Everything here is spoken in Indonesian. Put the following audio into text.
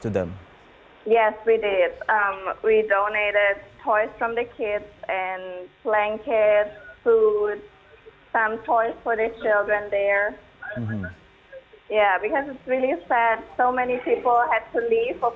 ya kami memberikan kami memberikan barang dari anak anak dan perangkat makanan beberapa barang untuk anak anak di sana